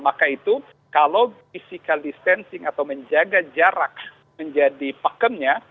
maka itu kalau physical distancing atau menjaga jarak menjadi pakemnya